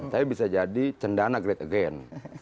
tapi bisa jadi cendana great again